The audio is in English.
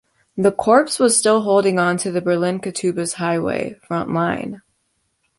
The corps was still holding on to the Berlin-Cottbus highway front line.